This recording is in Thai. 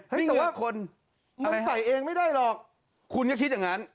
แต่ว่าคนมันใส่เองไม่ได้หรอกคุณก็คิดอย่างนั้น